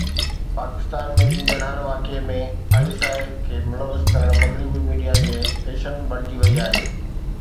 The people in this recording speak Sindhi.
پاڪستان ۾ ٿيندڙ هر واقعي ۾ آءِ ايس آءِ کي ملوث ڪرڻ مغربي ميڊيا جي فيشن بڻجي وئي آهي